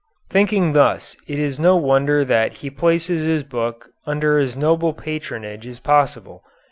Thinking thus, it is no wonder that he places his book under as noble patronage as possible.